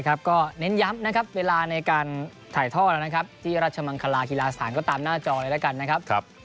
ก็เน้นนะครับเวลาในการถ่ายท่อหลังนะครับที่รัชมังคาลากีฬาสถานก็ตามหน้าจอไว้กันนะครับ